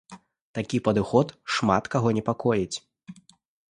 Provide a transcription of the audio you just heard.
Такі падыход шмат каго непакоіць.